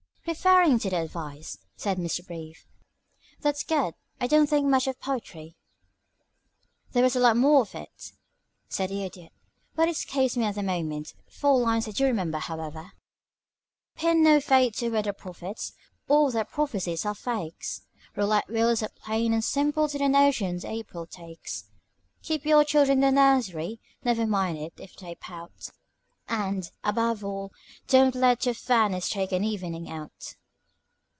"Referring to the advice," said Mr. Brief, "that's good. I don't think much of the poetry." "There was a lot more of it," said the Idiot, "but it escapes me at the moment. Four lines I do remember, however: "Pin no faith to weather prophets all their prophecies are fakes, Roulette wheels are plain and simple to the notions April takes. Keep your children in the nursery never mind it if they pout And, above all, do not let your furnace take an evening out."